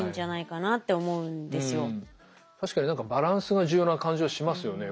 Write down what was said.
確かに何かバランスが重要な感じはしますよね。